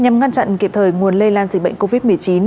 nhằm ngăn chặn kịp thời nguồn lây lan dịch bệnh covid một mươi chín